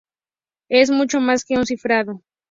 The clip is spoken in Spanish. Es mucho más que un cifrado.